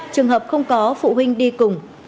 trường hợp không có phụ huynh đi cùng